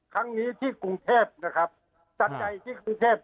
ครั้งนี้ที่กรุงเทพนะครับจัดใหญ่ที่กรุงเทพ